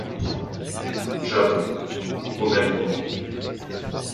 Japon, au même moment.